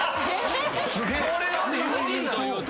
これを理不尽というと。